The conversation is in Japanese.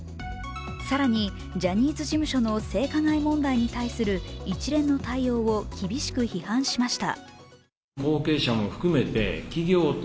更に、ジャニーズ事務所の性加害問題に対する一連の対応を厳しく批判しました。